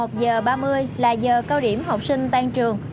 một mươi một h ba mươi là giờ cao điểm học sinh tan trường